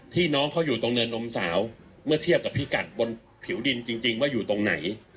น้องเขาอยู่ตรงเนินนมสาวเมื่อเทียบกับพิกัดบนผิวดินจริงว่าอยู่ตรงไหน